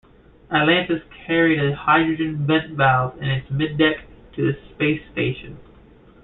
Atlantis carried a Hydrogen Vent Valve in its mid-deck to the space station.